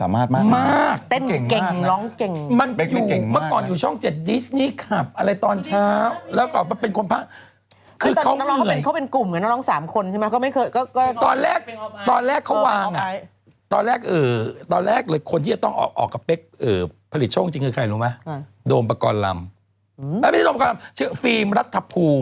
เมื่อก่อนอยู่ช่องจดดิสนีคาร์บอะไรตอนเช้า